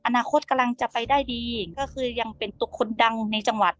อนาคตกำลังจะไปได้ดีก็คือยังเป็นตัวคนดังในจังหวัด